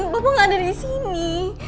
papa gak ada disini